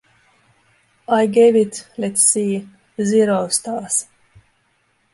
I gave it-let's see-zero stars.